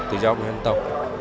tự do của dân tộc